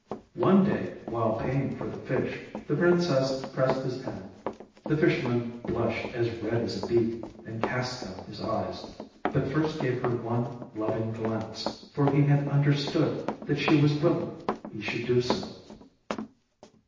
One day, while paying for the fish, the princess pressed his hand, the fisherman blushed as red as a beet, and cast down his eyes, but first gave her one loving glance, for he had understood that she was willing he should do so.